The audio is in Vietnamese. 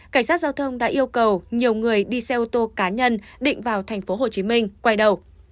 cảnh sát giao thông đã yêu cầu nhiều người đi xe ô tô cá nhân định vào tp hcm quay đầu